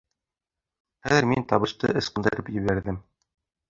Хәҙер мин табышты ысҡындырып ебәрҙем.